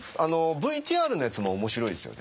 ＶＴＲのやつも面白いですよね。